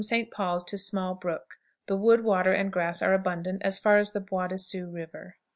St. Paul's to 17 1/4. Small Brook. The wood, water, and grass are abundant as far as the "Bois des Sioux" River.